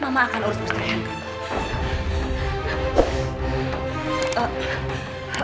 mama akan urus mustahil